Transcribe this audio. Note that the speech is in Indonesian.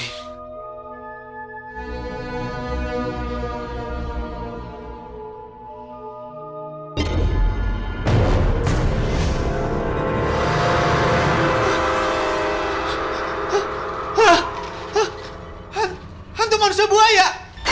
hantu hantu manusia buaya